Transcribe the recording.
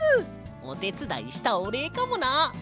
おてつだいしたおれいかもな！